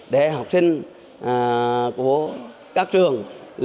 để học sinh của các trường